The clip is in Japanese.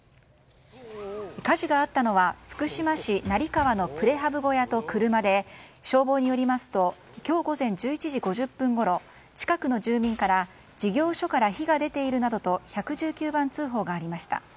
火事があったのは福島市成川のプレハブ小屋と車で消防によりますと今日午前１１時５０分ごろ近くの住民から事業所から火が出ているなどと１１９番通報がありました。